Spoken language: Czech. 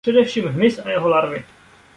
Především hmyz a jeho larvy.